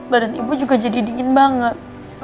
badan ibu juga jadi dingin banget